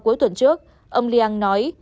cuối tuần trước ông liang nói